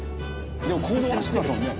でも公道を走ってますもんね。